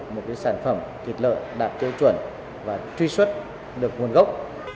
một cái sản phẩm thịt lợi đạt chế chuẩn và truy xuất được nguồn gốc